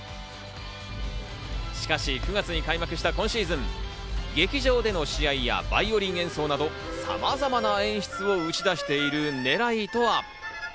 しかし、９月に開幕した今シーズン、劇場での試合やバイオリン演奏など、さまざまな演出を打ち出している狙いとは？